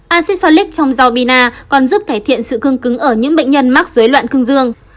acid folic trong rau bina còn giúp cải thiện sự cưng cứng ở những bệnh nhân mắc dối loạn cưng dương